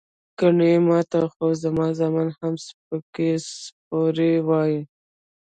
ګني ماته خو زما زامن هم سپکې سپورې وائي" ـ